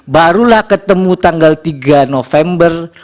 barulah ketemu tanggal tiga november